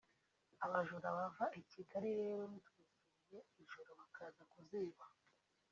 Abajura bava i Kigali rero bitwikiriye ijoro bakaza kuziba